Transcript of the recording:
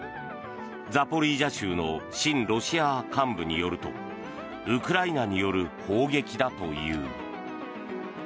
ザポリージャ州の親ロシア派幹部によるとウクライナによる砲撃だという。